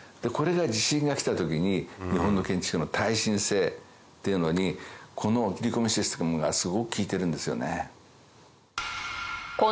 これが地震が来た時に日本の建築の耐震性っていうのにこの切り込みシステムがすごく効いてるんですよね。